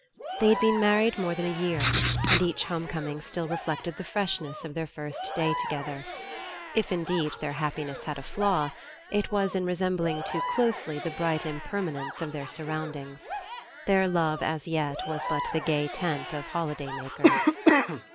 They had been married more than a year, and each home coming still reflected the freshness of their first day together. If, indeed, their happiness had a flaw, it was in resembling too closely the bright impermanence of their surroundings. Their love as yet was but the gay tent of holiday makers.